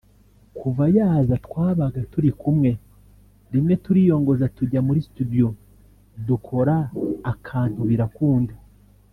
kuva yaza twabaga turi kumwe rimwe turiyongoza tujya muri studio dukora akantu birakunda